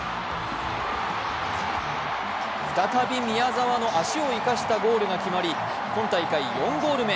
再び宮澤の足を生かしたゴールが決まり、今大会４ゴール目。